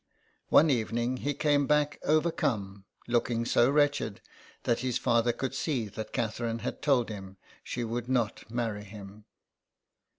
One evening he came back overcome, looking so wretched that his father could see that Catherine had told him she would not marry him.